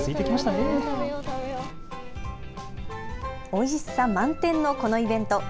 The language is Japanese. おいしさ満点のこのイベント。